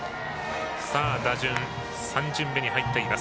打順３巡目に入っています。